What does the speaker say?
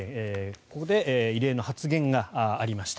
ここで異例の発言がありました。